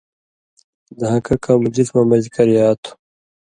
دھان٘کہ کمہۡ جسمہ مژ کریا تُھو